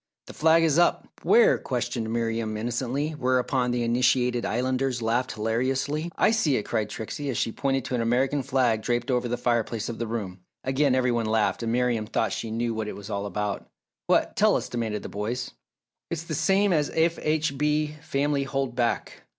"The flag is up!" "Where?" questioned Miriam, innocently, whereupon the initiated Islanders laughed hilariously. "I see it!" cried Trixie, as she pointed to an American flag draped over the fireplace of the room. Again every one laughed, and Miriam thought she knew what it was all about. "What tell us?" demanded the boys. "It's the same as F. H. B. Family hold back!"